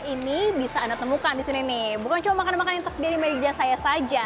ini bisa anda temukan disini nih bukan cuma makan makan yang tersedia di meja saya saja